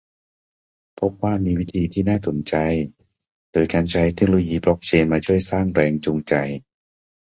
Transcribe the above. พบว่ามีวิธีที่น่าสนใจโดยการใช้เทคโนโลยีบล็อกเชนจ์มาช่วยสร้างแรงจูงใจ